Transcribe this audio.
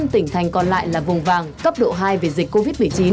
một mươi năm tỉnh thành còn lại là vùng vàng cấp độ hai về dịch covid một mươi chín